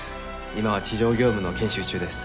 今は地上業務の研修中です。